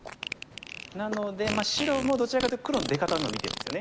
なので白もどちらかというと黒の出方を見てるんですよね。